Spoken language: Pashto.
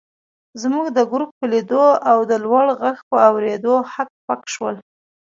زموږ د ګروپ په لیدو او د لوړ غږ په اورېدو هک پک شول.